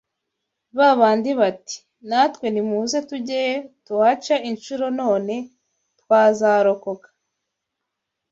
Ba bandi bati «Natwe nimuze tugeyo tuhace inshuro none twazarokoka»